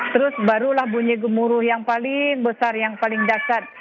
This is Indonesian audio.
terus barulah bunyi gemuruh yang paling besar yang paling dasar